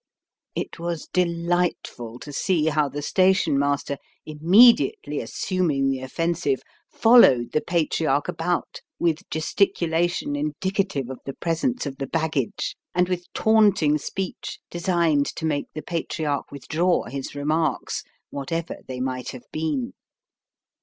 It was delightful to see how the station master, immediately assuming the offensive, followed the Patriarch about with gesticulation indicative of the presence of the baggage, and with taunting speech designed to make the Patriarch withdraw his remarks whatever they might have been.